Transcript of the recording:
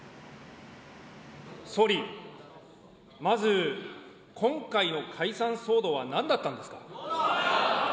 総理、まず今回の解散騒動はなんだったんですか。